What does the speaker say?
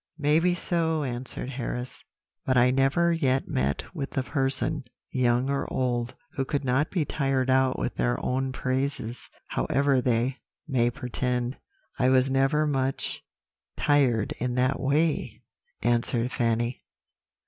"'Maybe so,' answered Harris; 'but I never yet met with the person, young or old, who could be tired out with their own praises, however they may pretend.' "'I was never much tired in that way,' answered Fanny.